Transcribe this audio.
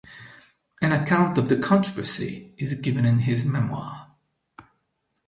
An account of the controversy is given in his "Memoir".